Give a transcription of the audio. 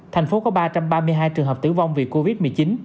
thành phố có ba trăm ba mươi hai trường hợp tử vong vì covid một mươi chín